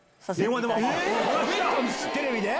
テレビで？